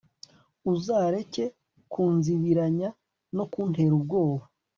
uzareke kunzibiranya, no kuntera ubwoba